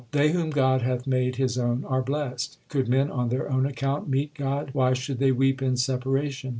They whom God hath made His own are blest. Could men on their own account 1 meet God, why should they weep in separation